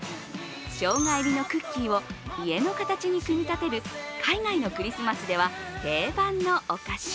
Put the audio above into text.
ショウガ入りのクッキーを家の形に組み立てる海外のクリスマスでは定番のお菓子。